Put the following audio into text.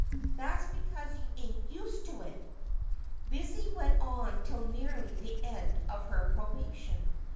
'That's because you ain't usei to if Lizzie went on till nearly the end of her probation.